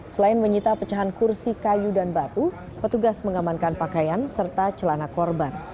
selain menyita pecahan kursi kayu dan batu petugas mengamankan pakaian serta celana korban